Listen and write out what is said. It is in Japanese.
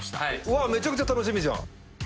わめちゃくちゃ楽しみじゃん。